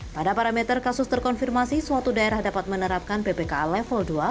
pada parameter kasus terkonfirmasi suatu daerah dapat menerapkan ppkm level dua